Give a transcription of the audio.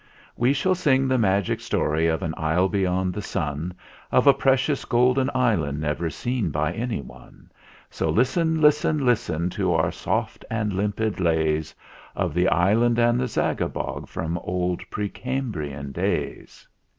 We shall sing the magic Story of an Isle beyond the Sun, Of a precious golden island never seen by anyone ; So listen, listen, listen to our soft and limpid lays Of the Island and the Zagabog from old pre Cambrian days.